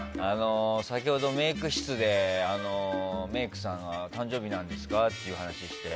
先ほどメイク室で、メイクさんが誕生日なんですかっていう話して。